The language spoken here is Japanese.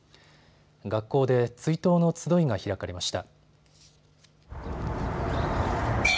学校で追悼の集いが開かれました。